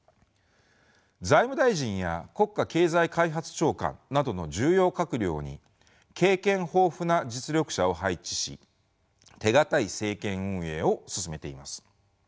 財務大臣や国家経済開発長官などの重要閣僚に経験豊富な実力者を配置し手堅い政権運営を進めています。